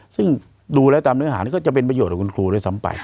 ซึ่งดูแล้วตามเนื้อหานี่ก็จะเป็นประโยชน์กับคุณครูด้วยซ้ำไป